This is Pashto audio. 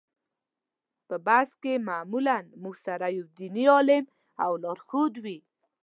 په بس کې معمولا موږ سره یو دیني عالم او لارښود وي.